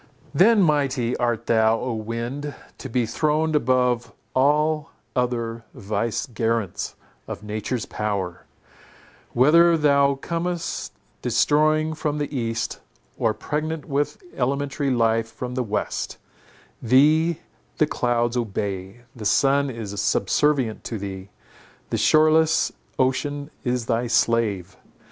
Then mighty art thou, O wind, to be throned above all other vicegerents of nature's power; whether thou comest destroying from the east, or pregnant with elementary life from the west; thee the clouds obey; the sun is subservient to thee; the shoreless ocean is thy slave!